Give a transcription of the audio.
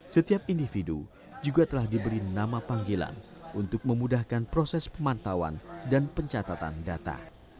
setiap individu juga telah diberi nama panggilan untuk memudahkan proses pemantauan dan pencatatan data